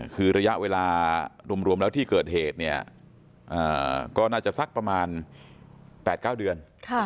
คือระยะเวลารวมแล้วที่เกิดเหตุเนี่ยก็น่าจะสักประมาณ๘๙เดือน